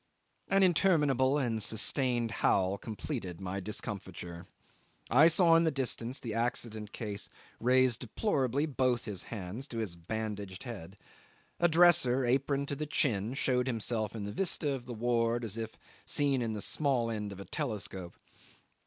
An interminable and sustained howl completed my discomfiture. I saw in the distance the accident case raise deplorably both his hands to his bandaged head; a dresser, aproned to the chin showed himself in the vista of the ward, as if seen in the small end of a telescope.